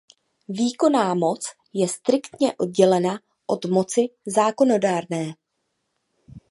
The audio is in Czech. Výkonná moc je striktně oddělena od moci zákonodárné.